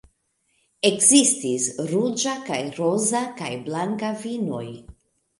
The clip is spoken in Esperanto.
Ekzistis ruĝa kaj roza kaj blanka vinoj.